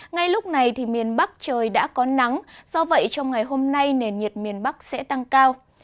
ngay lúc này miền bắc trời đã có nắng do vậy trong ngày hôm nay nền nhiệt miền bắc sẽ tăng cao